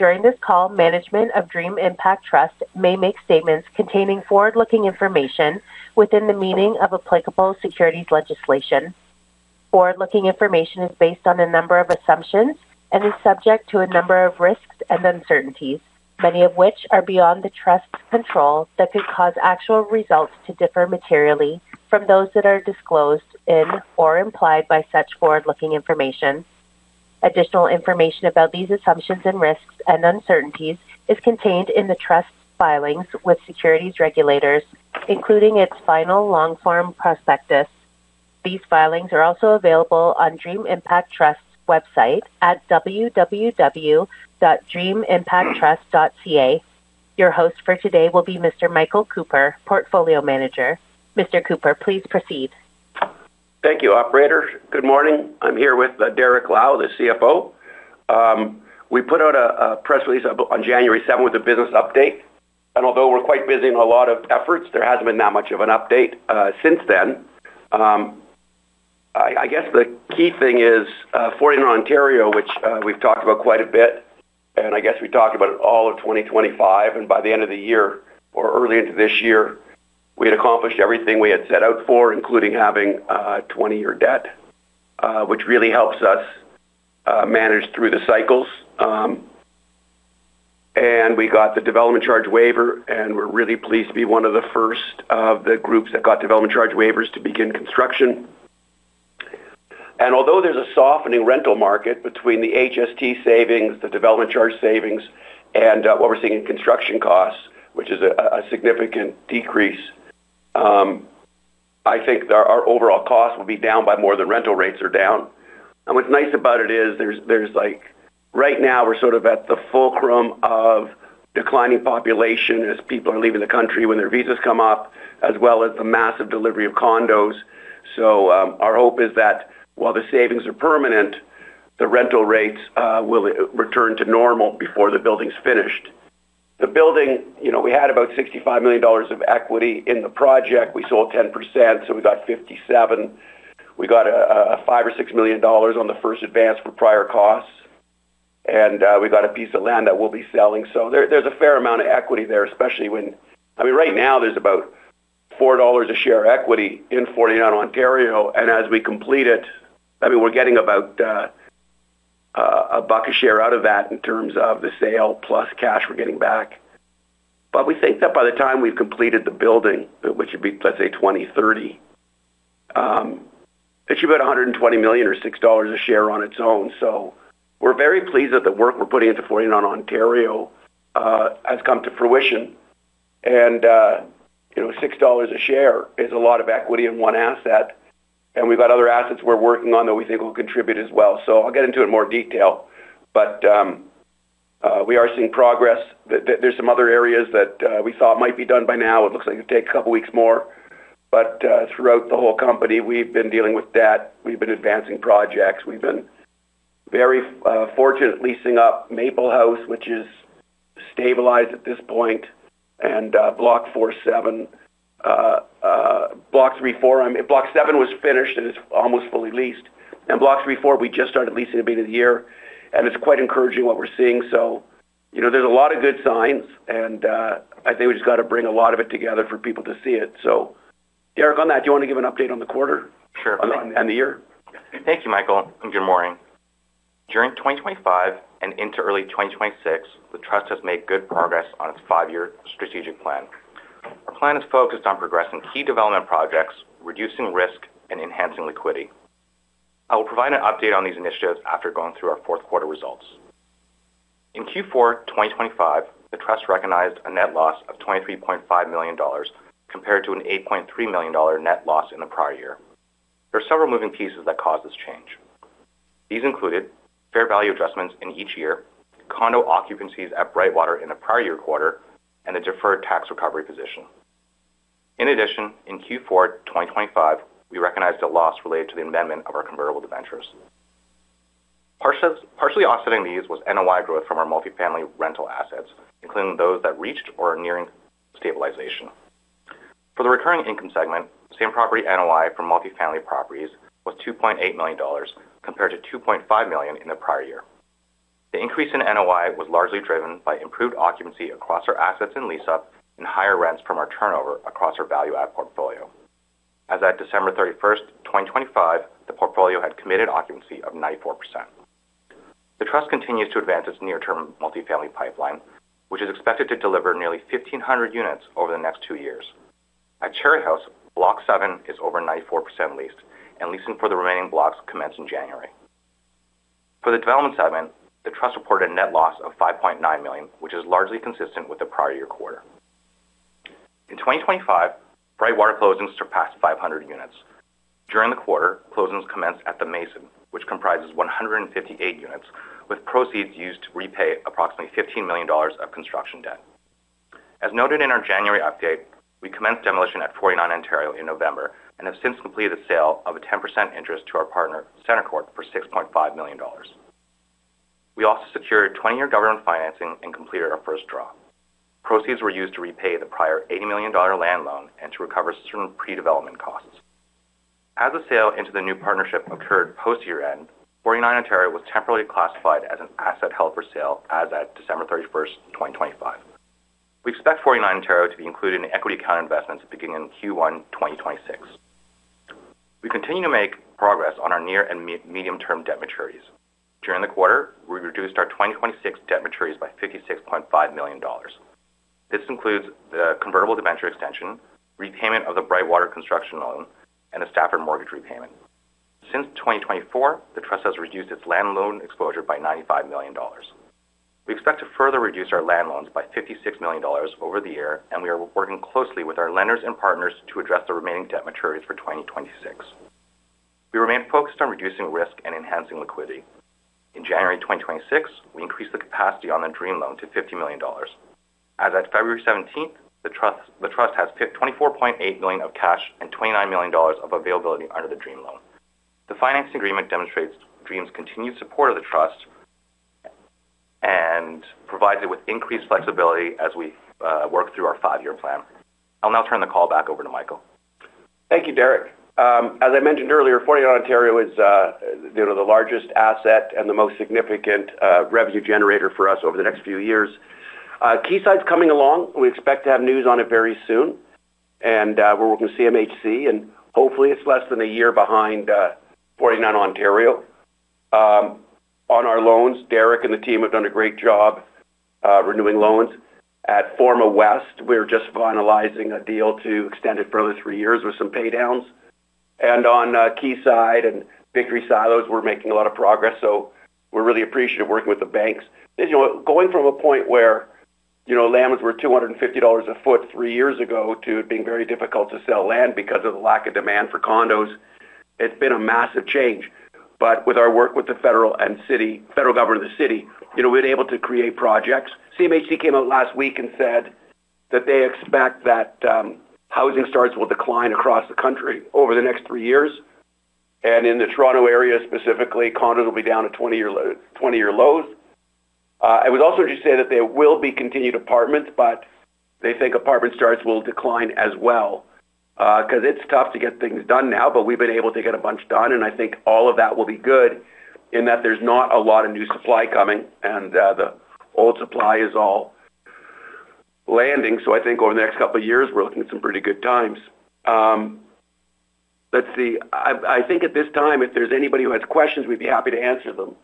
During this call, management of Dream Impact Trust may make statements containing forward-looking information within the meaning of applicable securities legislation. Forward-looking information is based on a number of assumptions and is subject to a number of risks and uncertainties, many of which are beyond the trust's control, that could cause actual results to differ materially from those that are disclosed in or implied by such forward-looking information. Additional information about these assumptions and risks and uncertainties is contained in the trust's filings with securities regulators, including its final long-form prospectus. These filings are also available on Dream Impact Trust's website at www.dreamimpacttrust.ca. Your host for today will be Mr. Michael Cooper, Portfolio Manager. Mr. Cooper, please proceed. Thank you, operator. Good morning. I'm here with Derrick Lau, the CFO. We put out a press release on January seventh, a business update, and although we're quite busy in a lot of efforts, there hasn't been that much of an update since then. I guess the key thing is 49 Ontario, which we've talked about quite a bit, and I guess we talked about it all of 2025, and by the end of the year or early into this year, we had accomplished everything we had set out for, including having 20-year debt, which really helps us manage through the cycles. And we got the development charge waiver, and we're really pleased to be one of the first of the groups that got development charge waivers to begin construction. Although there's a softening rental market between the HST savings, the development charge savings and what we're seeing in construction costs, which is a significant decrease, I think that our overall costs will be down by more than rental rates are down. What's nice about it is there's like right now, we're sort of at the fulcrum of declining population as people are leaving the country when their visas come up, as well as the massive delivery of condos. Our hope is that while the savings are permanent, the rental rates will return to normal before the building's finished. The building, you know, we had about 65 million dollars of equity in the project. We sold 10%, so we got 57 million. We got a 5 or 6 million dollars on the first advance for prior costs, and we got a piece of land that we'll be selling. So there's a fair amount of equity there, especially when I mean, right now, there's about 4 dollars a share equity in 49 Ontario, and as we complete it, I mean, we're getting about a buck a share out of that in terms of the sale plus cash we're getting back. But we think that by the time we've completed the building, which would be, let's say, 2030, it should be about 120 million or 6 dollars a share on its own. So we're very pleased that the work we're putting into 49 Ontario has come to fruition. You know, $6 a share is a lot of equity in one asset, and we've got other assets we're working on that we think will contribute as well. I'll get into it in more detail, but we are seeing progress. There are some other areas that we thought might be done by now. It looks like it will take a couple of weeks more, but throughout the whole company, we've been dealing with debt, we've been advancing projects. We've been very fortunate leasing up Maple House, which is stabilized at this point, and Block four, seven, Block three, four. I mean, Block seven was finished and is almost fully leased. And Block three, four, we just started leasing at the beginning of the year, and it's quite encouraging what we're seeing. So, you know, there's a lot of good signs, and, I think we just got to bring a lot of it together for people to see it. So, Derrick, on that, do you want to give an update on the quarter? Sure. And the year. Thank you, Michael, and good morning. During 2025 and into early 2026, the trust has made good progress on its five-year strategic plan. Our plan is focused on progressing key development projects, reducing risk, and enhancing liquidity. I will provide an update on these initiatives after going through our fourth quarter results. In Q4 2025, the trust recognized a net loss of 23.5 million dollars, compared to an 8.3 million dollar net loss in the prior year. There are several moving pieces that caused this change. These included fair value adjustments in each year, condo occupancies at Brightwater in the prior year quarter, and a deferred tax recovery position. In addition, in Q4 2025, we recognized a loss related to the amendment of our convertible debentures. Partially, partially offsetting these was NOI growth from our multifamily rental assets, including those that reached or are nearing stabilization. For the recurring income segment, same-property NOI from multifamily properties was 2.8 million dollars, compared to 2.5 million in the prior year. The increase in NOI was largely driven by improved occupancy across our assets in lease-up and higher rents from our turnover across our value add portfolio. As at December 31st, 2025, the portfolio had committed occupancy of 94%. The trust continues to advance its near-term multifamily pipeline, which is expected to deliver nearly 1,500 units over the next two years. At Cherry House, block seven is over 94% leased, and leasing for the remaining blocks commenced in January. For the development segment, the Trust reported a net loss of 5.9 million, which is largely consistent with the prior year quarter. In 2025, Brightwater closings surpassed 500 units. During the quarter, closings commenced at The Mason, which comprises 158 units, with proceeds used to repay approximately 15 million dollars of construction debt. As noted in our January update, we commenced demolition at 49 Ontario in November and have since completed the sale of a 10% interest to our partner, CentreCourt, for 6.5 million dollars. We also secured 20-year government financing and commenced-...Proceeds were used to repay the prior 80 million dollar land loan and to recover certain pre-development costs. As the sale into the new partnership occurred post-year-end, 49 Ontario was temporarily classified as an asset held for sale as at December 31, 2025. We expect 49 Ontario to be included in the equity account investments beginning in Q1 2026. We continue to make progress on our near- and medium-term debt maturities. During the quarter, we reduced our 2026 debt maturities by 56.5 million dollars. This includes the convertible debenture extension, repayment of the Brightwater construction loan, and a Stafford mortgage repayment. Since 2024, the trust has reduced its land loan exposure by 95 million dollars. We expect to further reduce our land loans by 56 million dollars over the year, and we are working closely with our lenders and partners to address the remaining debt maturities for 2026. We remain focused on reducing risk and enhancing liquidity. In January 2026, we increased the capacity on the Dream loan to 50 million dollars. As at February 17th, the trust, the trust has paid 24.8 million of cash and 29 million dollars of availability under the Dream loan. The finance agreement demonstrates Dream's continued support of the trust and provides it with increased flexibility as we work through our five-year plan. I'll now turn the call back over to Michael. Thank you, Derrick. As I mentioned earlier, 49 Ontario is, you know, the largest asset and the most significant, revenue generator for us over the next few years. Quayside's coming along. We expect to have news on it very soon, and, we're working with CMHC, and hopefully, it's less than a year behind, 49 Ontario. On our loans, Derrick and the team have done a great job, renewing loans. At Forma West, we're just finalizing a deal to extend it for another three years with some paydowns. And on, Quayside and Victory Silos, we're making a lot of progress, so we're really appreciative of working with the banks. As you know, going from a point where, you know, lands were 250 dollars a foot three years ago to it being very difficult to sell land because of the lack of demand for condos, it's been a massive change. But with our work with the federal and city, federal government and the city, you know, we're able to create projects. CMHC came out last week and said that they expect that housing starts will decline across the country over the next three years, and in the Toronto area, specifically, condo will be down to 20-year lows. I would also just say that there will be continued apartments, but they think apartment starts will decline as well, because it's tough to get things done now, but we've been able to get a bunch done, and I think all of that will be good in that there's not a lot of new supply coming, and the old supply is all landing. So I think over the next couple of years, we're looking at some pretty good times. Let's see. I think at this time, if there's anybody who has questions, we'd be happy to answer them.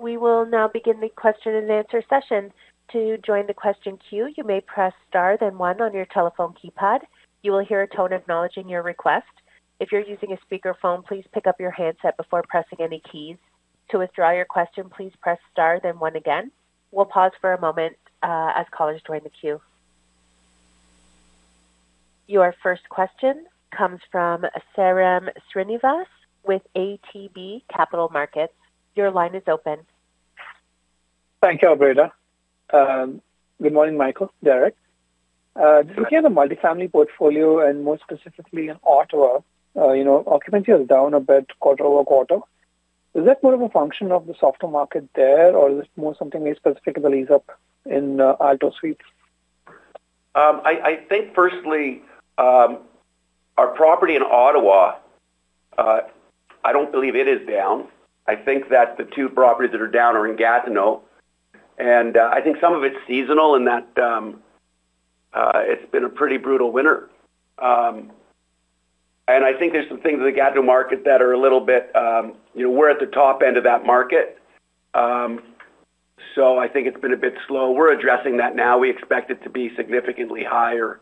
We will now begin the question and answer session. To join the question queue, you may press star, then one on your telephone keypad. You will hear a tone acknowledging your request. If you're using a speakerphone, please pick up your handset before pressing any keys. To withdraw your question, please press Star then one again. We'll pause for a moment, as callers join the queue. Your first question comes from Sairam Srinivas with ATB Capital Markets. Your line is open. Thank you, Operator. Good morning, Michael, Derek. Looking at the multifamily portfolio and more specifically in Ottawa, you know, occupancy is down a bit quarter-over-quarter. Is that more of a function of the softer market there, or is this more something we specifically up in Aalto Suites? I think firstly, our property in Ottawa, I don't believe it is down. I think that the two properties that are down are in Gatineau, and I think some of it's seasonal in that, it's been a pretty brutal winter. And I think there's some things in the Gatineau market that are a little bit... You know, we're at the top end of that market, so I think it's been a bit slow. We're addressing that now. We expect it to be significantly higher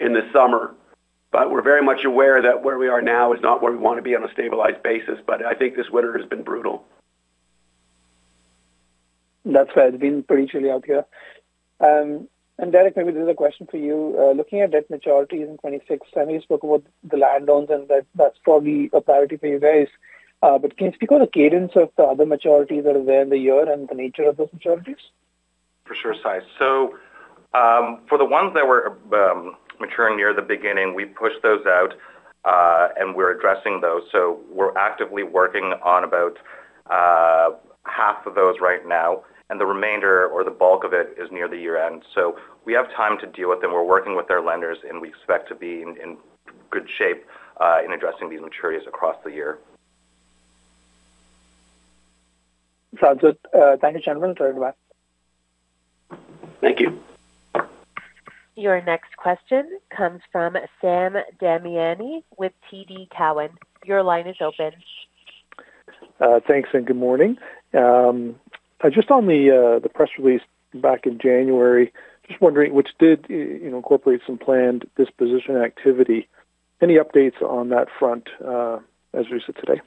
in the summer, but we're very much aware that where we are now is not where we want to be on a stabilized basis, but I think this winter has been brutal. That's right. It's been pretty chilly out here. Derrick, maybe this is a question for you. Looking at debt maturities in 2026, and you spoke about the land loans, and that, that's probably a priority for you guys. But can you speak on the cadence of the other maturities that are there in the year and the nature of those maturities? For sure, Sairam. So, for the ones that were maturing near the beginning, we pushed those out, and we're addressing those. So we're actively working on about half of those right now, and the remainder or the bulk of it is near the year-end. So we have time to deal with them. We're working with our lenders, and we expect to be in good shape in addressing these maturities across the year. Sounds good. Thank you, gentlemen. Very well. Thank you. Your next question comes from Sam Damiani with TD Cowen. Your line is open. Thanks, and good morning. Just on the press release back in January, just wondering, which did, you know, incorporate some planned disposition activity. Any updates on that front, as we sit today?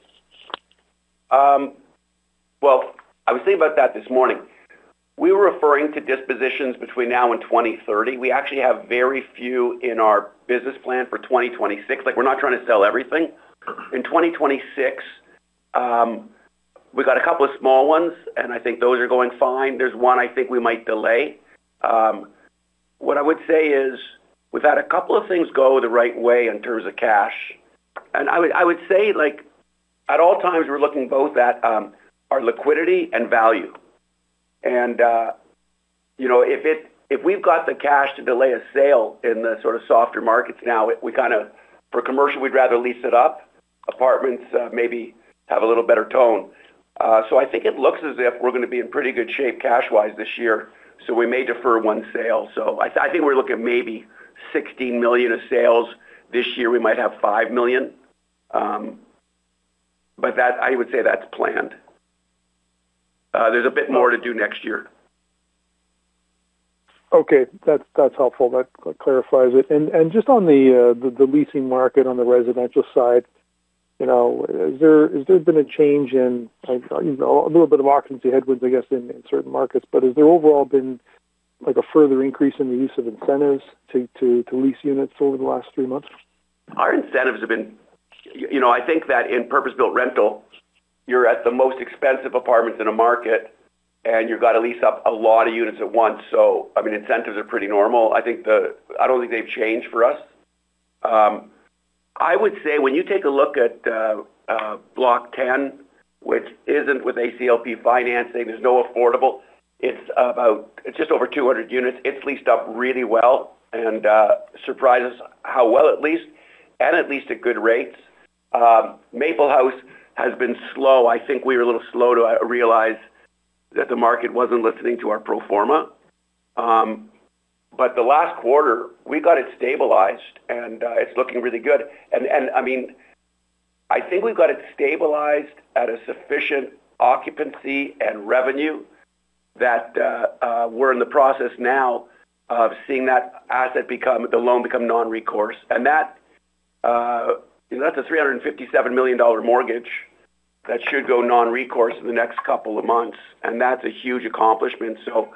Well, I was thinking about that this morning. We were referring to dispositions between now and 2030. We actually have very few in our business plan for 2026. Like, we're not trying to sell everything. In 2026, we got a couple of small ones, and I think those are going fine. There's one I think we might delay. What I would say is, without a couple of things go the right way in terms of cash, and I would say, like, at all times, we're looking both at our liquidity and value. And, you know, if we've got the cash to delay a sale in the sort of softer markets now, we kind of, for commercial, we'd rather lease it up. Apartments, maybe have a little better tone. I think it looks as if we're going to be in pretty good shape cash-wise this year, so we may defer one sale. I think we're looking at maybe 16 million of sales this year. We might have 5 million, but that I would say that's planned. There's a bit more to do next year. Okay, that's, that's helpful. That clarifies it. And, and just on the, the leasing market on the residential side, you know, has there, has there been a change in, like, you know, a little bit of occupancy headwinds, I guess, in certain markets, but has there overall been, like, a further increase in the use of incentives to, to, to lease units over the last three months? Our incentives have been... You know, I think that in purpose-built rental, you're at the most expensive apartments in a market, and you've got to lease up a lot of units at once. So I mean, incentives are pretty normal. I think I don't think they've changed for us. I would say when you take a look at Block Ten, which isn't with ACLP financing, there's no affordable. It's about just over 200 units. It's leased up really well and surprised us how well it leased and it leased at good rates. Maple House has been slow. I think we were a little slow to realize that the market wasn't listening to our pro forma. But the last quarter, we got it stabilized, and it's looking really good. I mean, I think we've got it stabilized at a sufficient occupancy and revenue that we're in the process now of seeing that asset become the loan become non-recourse. And that's a 357 million dollar mortgage that should go non-recourse in the next couple of months, and that's a huge accomplishment. So,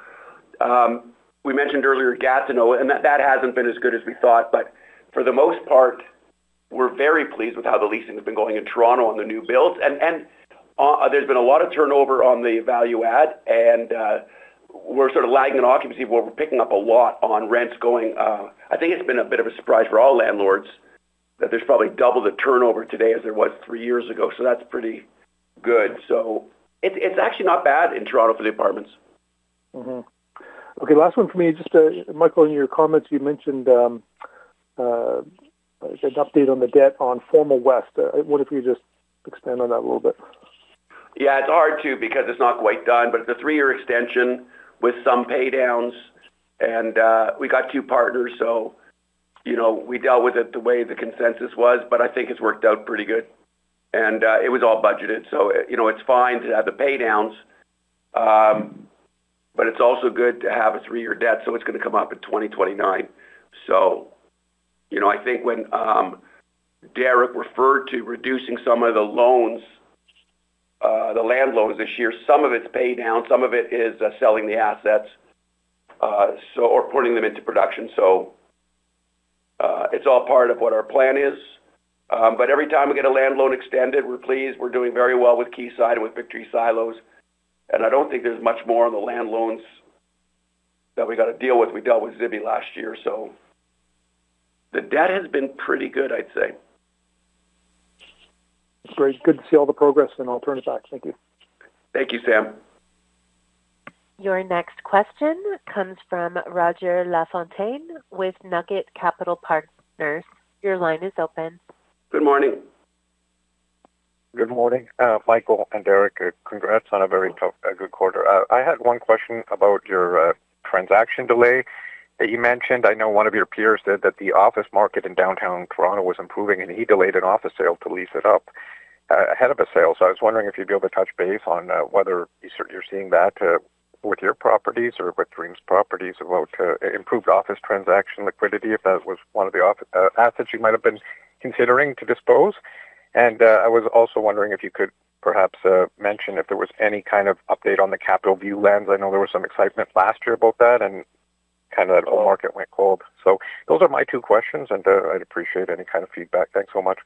we mentioned earlier Gatineau, and that hasn't been as good as we thought. But for the most part, we're very pleased with how the leasing has been going in Toronto on the new builds. And there's been a lot of turnover on the value add, and we're sort of lagging in occupancy, but we're picking up a lot on rents going... I think it's been a bit of a surprise for all landlords, that there's probably double the turnover today as there was three years ago, so that's pretty good. So it's actually not bad in Toronto for the apartments. Mm-hmm. Okay, last one for me. Just, Michael, in your comments, you mentioned, there's an update on the debt on Forma West. What if you just expand on that a little bit? Yeah, it's hard to because it's not quite done, but it's a three-year extension with some paydowns, and we got two partners, so you know, we dealt with it the way the consensus was, but I think it's worked out pretty good. And it was all budgeted. So, you know, it's fine to have the paydowns, but it's also good to have a three-year debt, so it's going to come up in 2029. So, you know, I think when Derrick referred to reducing some of the loans, the land loans this year, some of it's paydown, some of it is selling the assets, or putting them into production. So, it's all part of what our plan is. But every time we get a land loan extended, we're pleased. We're doing very well with Quayside, with Victory Silos, and I don't think there's much more on the land loans that we got to deal with. We dealt with Zibi last year, so the debt has been pretty good, I'd say. Great. Good to see all the progress, then I'll turn it back. Thank you. Thank you, Sam. Your next question comes from Roger Lafontaine with Nugget Capital Partners. Your line is open. Good morning. Good morning, Michael and Derrick. Congrats on a very tough, good quarter. I had one question about your transaction delay. You mentioned, I know one of your peers said that the office market in downtown Toronto was improving, and he delayed an office sale to lease it up ahead of a sale. So I was wondering if you'd be able to touch base on whether you're seeing that with your properties or with Dream's properties about improved office transaction liquidity, if that was one of the assets you might have been considering to dispose. And I was also wondering if you could perhaps mention if there was any kind of update on the Capital View land. I know there was some excitement last year about that, and kind of the market went cold. Those are my two questions, and I'd appreciate any kind of feedback. Thanks so much.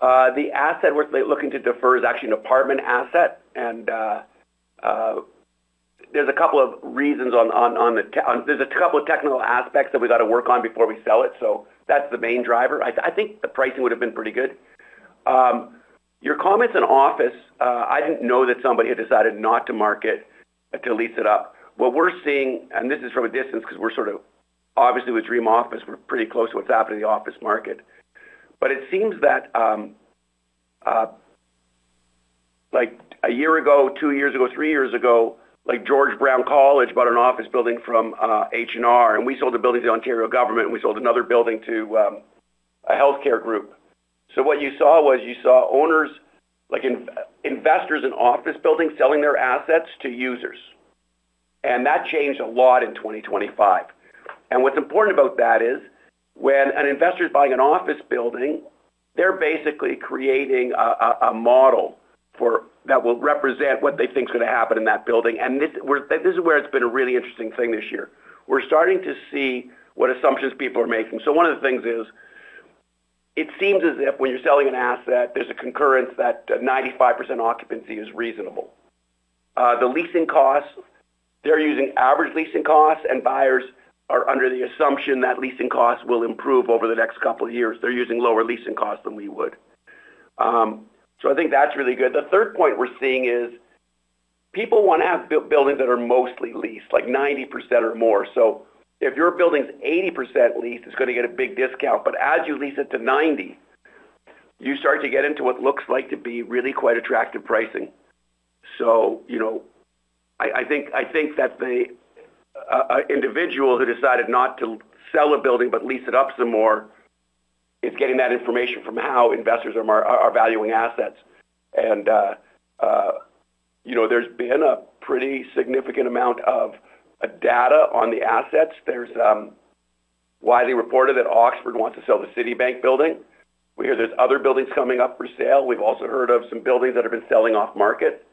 The asset we're looking to defer is actually an apartment asset, and there's a couple of reasons on the. There's a couple of technical aspects that we got to work on before we sell it, so that's the main driver. I think the pricing would have been pretty good. Your comments on office, I didn't know that somebody had decided not to market to lease it up. What we're seeing, and this is from a distance, because we're sort of obviously with Dream Office, we're pretty close to what's happening in the office market. But it seems that, like a year ago, two years ago, three years ago, like George Brown College bought an office building from H&R, and we sold a building to the Ontario government, and we sold another building to a healthcare group. So what you saw was you saw owners, like investors in office buildings, selling their assets to users, and that changed a lot in 2025. And what's important about that is, when an investor is buying an office building, they're basically creating a model that will represent what they think is going to happen in that building. And this, we're this is where it's been a really interesting thing this year. We're starting to see what assumptions people are making. So one of the things is It seems as if when you're selling an asset, there's a concurrence that 95% occupancy is reasonable. The leasing costs, they're using average leasing costs, and buyers are under the assumption that leasing costs will improve over the next couple of years. They're using lower leasing costs than we would. So I think that's really good. The third point we're seeing is, people want to have buildings that are mostly leased, like 90% or more. So if your building's 80% leased, it's gonna get a big discount. But as you lease it to 90%, you start to get into what looks like to be really quite attractive pricing. So, you know, I think that the individual who decided not to sell a building but lease it up some more, is getting that information from how investors are valuing assets more. And, you know, there's been a pretty significant amount of data on the assets. There's widely reported that Oxford wants to sell the Citibank building. We hear there's other buildings coming up for sale. We've also heard of some buildings that have been selling off market.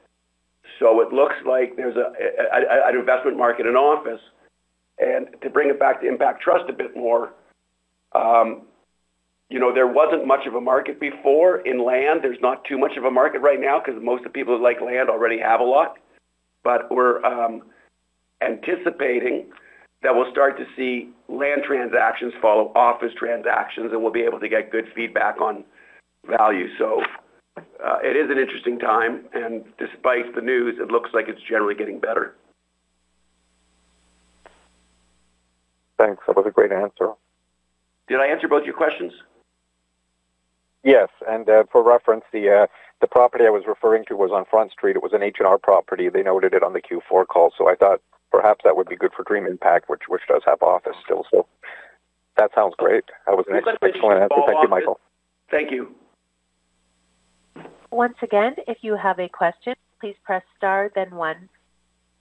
So it looks like there's an investment market in office. And to bring it back to Impact Trust a bit more, you know, there wasn't much of a market before in land. There's not too much of a market right now because most of the people who like land already have a lot. But we're anticipating that we'll start to see land transactions follow office transactions, and we'll be able to get good feedback on value. So it is an interesting time, and despite the news, it looks like it's generally getting better. Thanks. That was a great answer. Did I answer both your questions? Yes, and for reference, the property I was referring to was on Front Street. It was an H&R property. They noted it on the Q4 call, so I thought perhaps that would be good for Dream Impact, which does have office still. So that sounds great. That was an excellent answer. Thank you, Michael. Thank you. Once again, if you have a question, please press star, then one.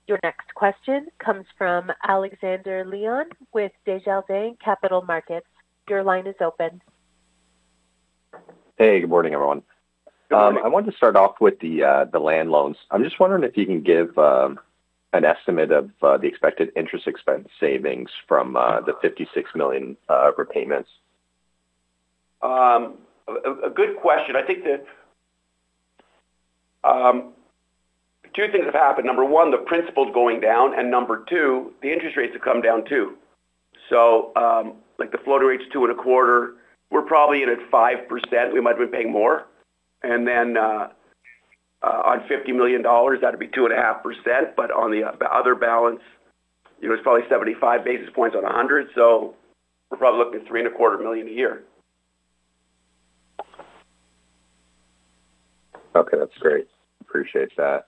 Your next question comes from Alexander Leon with Desjardins Capital Markets. Your line is open. Hey, good morning, everyone. Good morning. I wanted to start off with the land loans. I'm just wondering if you can give an estimate of the expected interest expense savings from the 56 million repayments? A good question. I think that two things have happened. Number one, the principal is going down, and number two, the interest rates have come down, too. So, like, the floater rate is 2.25%, we're probably in at 5%. We might be paying more. And then, on 50 million dollars, that'd be 2.5%, but on the other balance, it was probably 75 basis points on 100, so we're probably looking at 3.25 million a year. Okay, that's great. Appreciate that.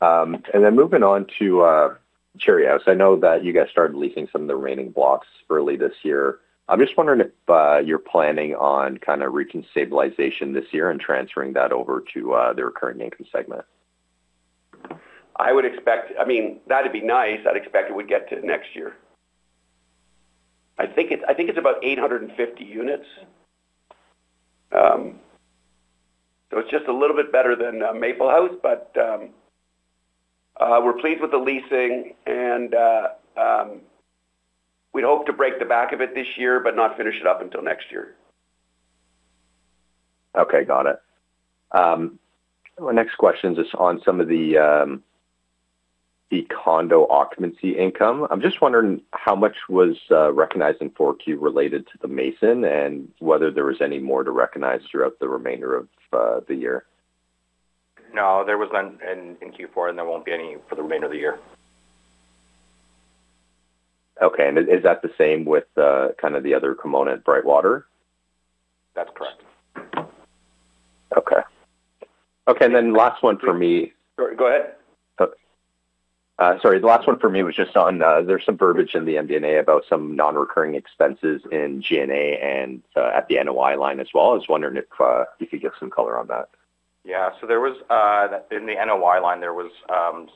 And then moving on to Cherry House. I know that you guys started leasing some of the remaining blocks early this year. I'm just wondering if you're planning on kind of reaching stabilization this year and transferring that over to the recurring income segment? I would expect, I mean, that'd be nice. I'd expect it would get to next year. I think it's about 850 units. So it's just a little bit better than Maple House, but we're pleased with the leasing and we'd hope to break the back of it this year, but not finish it up until next year. Okay, got it. My next question is on some of the condo occupancy income. I'm just wondering how much was recognized in Q4 related to The Mason and whether there was any more to recognize throughout the remainder of the year. No, there was none in Q4, and there won't be any for the remainder of the year. Okay. And is that the same with kind of the other component, Brightwater? That's correct. Okay. Okay, and then last one for me- Go ahead. Sorry. The last one for me was just on, there's some verbiage in the MD&A about some nonrecurring expenses in G&A and, at the NOI line as well. I was wondering if you could give some color on that. Yeah. So there was in the NOI line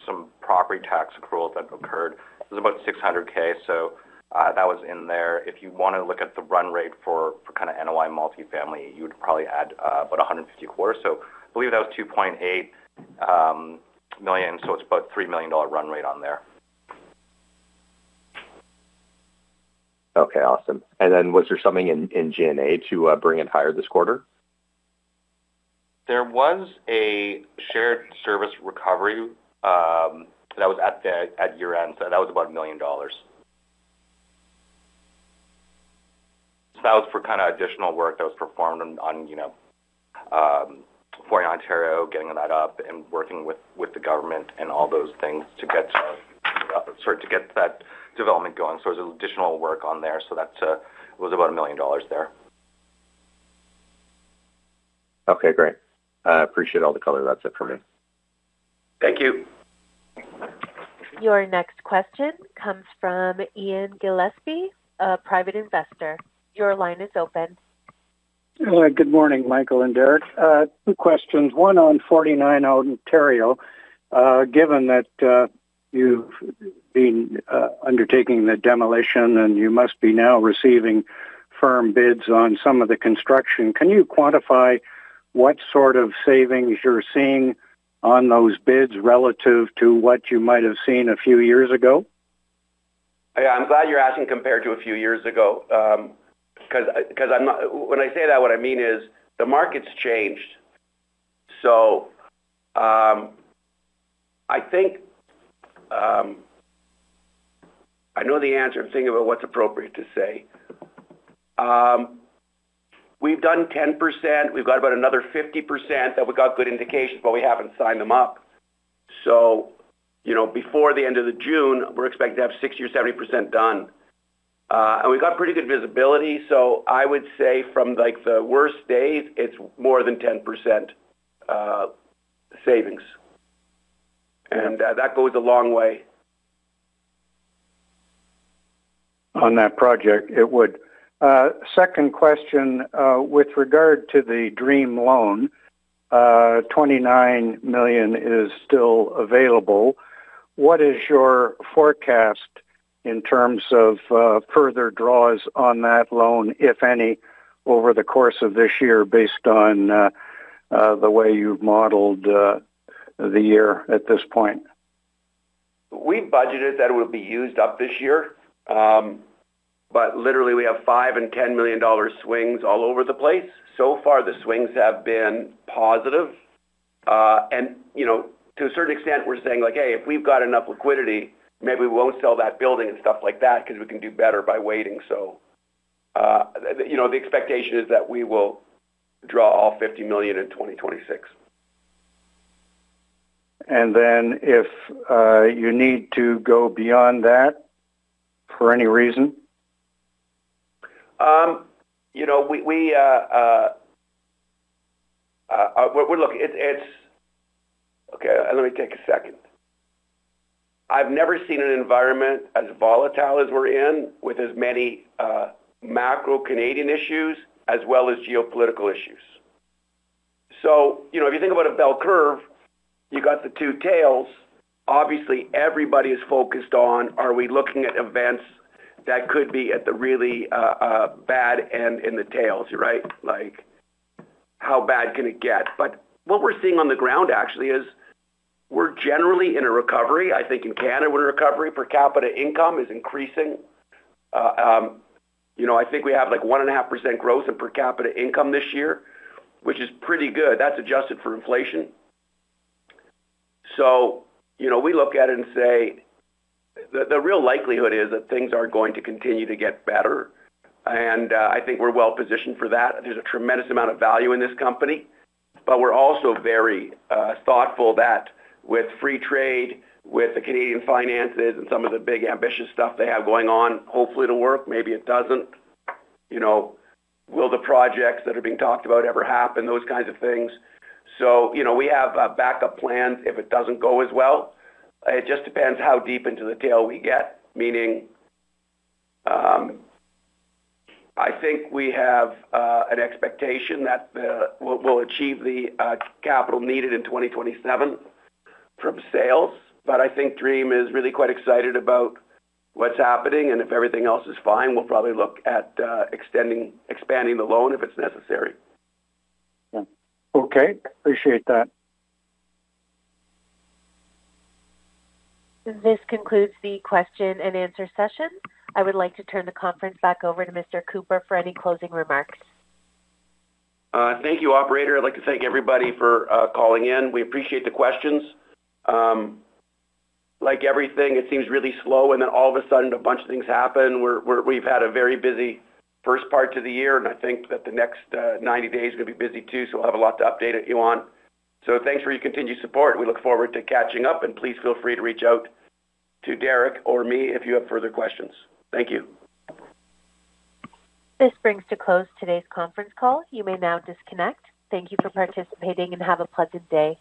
some property tax accruals that occurred. It was about 600K, so that was in there. If you want to look at the run rate for kind of NOI multifamily, you would probably add about 150 quarters. So I believe that was 2.8 million, so it's about a 3 million-dollar run rate on there. Okay, awesome. And then was there something in GTA to bring in higher this quarter? There was a shared service recovery, that was at the, at year-end, so that was about 1 million dollars. So that was for kind of additional work that was performed on, on, you know, 49 Ontario, getting that up and working with, with the government and all those things to get, sorry, to get that development going. So there's additional work on there, so that, was about 1 million dollars there. Okay, great. I appreciate all the color. That's it for me. Thank you. Your next question comes from Ian Gillespie, a private investor. Your line is open. Hello, good morning, Michael and Derrick. Two questions. One on 49 Ontario. Given that, you've been undertaking the demolition and you must be now receiving firm bids on some of the construction, can you quantify what sort of savings you're seeing on those bids relative to what you might have seen a few years ago? Yeah, I'm glad you're asking compared to a few years ago, 'cause, I, 'cause I'm not-- When I say that, what I mean is the market's changed. So, I think, I know the answer. I'm thinking about what's appropriate to say. We've done 10%. We've got about another 50% that we got good indications, but we haven't signed them up. So, you know, before the end of the June, we're expected to have 60% or 70% done. And we've got pretty good visibility, so I would say from, like, the worst days, it's more than 10%, savings. And that goes a long way. On that project, it would. Second question, with regard to the Dream loan, 29 million is still available. What is your forecast in terms of further draws on that loan, if any, over the course of this year, based on the way you've modeled the year at this point? We budgeted that it would be used up this year, but literally, we have 5 million and 10 million dollar swings all over the place. So far, the swings have been positive. You know, to a certain extent, we're saying, like, "Hey, if we've got enough liquidity, maybe we won't sell that building and stuff like that because we can do better by waiting." So, you know, the expectation is that we will draw all 50 million in 2026. And then, if you need to go beyond that for any reason? You know, we're... Okay, let me take a second. I've never seen an environment as volatile as we're in, with as many macro Canadian issues as well as geopolitical issues. So, you know, if you think about a bell curve, you got the two tails. Obviously, everybody is focused on, are we looking at events that could be at the really bad end in the tails, right? Like, how bad can it get? But what we're seeing on the ground actually is we're generally in a recovery. I think in Canada, we're in a recovery. Per capita income is increasing. You know, I think we have, like, 1.5% growth in per capita income this year, which is pretty good. That's adjusted for inflation. So, you know, we look at it and say, the real likelihood is that things are going to continue to get better, and, I think we're well positioned for that. There's a tremendous amount of value in this company, but we're also very, thoughtful that with free trade, with the Canadian finances and some of the big, ambitious stuff they have going on, hopefully it'll work, maybe it doesn't. You know, will the projects that are being talked about ever happen? Those kinds of things. So, you know, we have a backup plan if it doesn't go as well. It just depends how deep into the tail we get, meaning, I think we have, an expectation that, we'll achieve the, capital needed in 2027 from sales. I think Dream is really quite excited about what's happening, and if everything else is fine, we'll probably look at expanding the loan if it's necessary. Yeah. Okay, appreciate that. This concludes the question and answer session. I would like to turn the conference back over to Mr. Cooper for any closing remarks. Thank you, operator. I'd like to thank everybody for calling in. We appreciate the questions. Like everything, it seems really slow, and then all of a sudden, a bunch of things happen. We've had a very busy first part to the year, and I think that the next 90 days is gonna be busy too, so we'll have a lot to update if you want. So thanks for your continued support. We look forward to catching up, and please feel free to reach out to Derrick or me if you have further questions. Thank you. This brings to close today's conference call. You may now disconnect. Thank you for participating, and have a pleasant day.